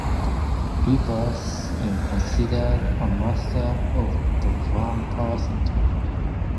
Rivers is considered a master of the one percenter.